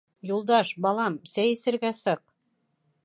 — Юлдаш, балам, сәй эсергә сыҡ!